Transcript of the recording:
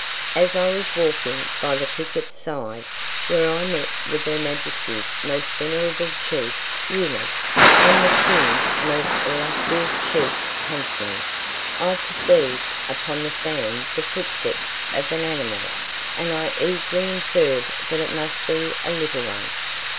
As I was walking by the Thicket's Side, where I met with her Majesty's most venerable chief Eunuch, and the King's most illustrious chief Huntsman, I perceiv'd upon the Sand the Footsteps of an Animal, and I easily inferr'd that it must be a little one.